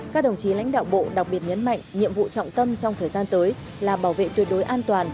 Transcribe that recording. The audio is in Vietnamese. các đồng chí lãnh đạo bộ đặc biệt nhấn mạnh nhiệm vụ trọng tâm trong thời gian tới là bảo vệ tuyệt đối an toàn